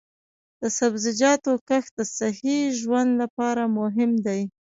د سبزیجاتو کښت د صحي ژوند لپاره مهم دی.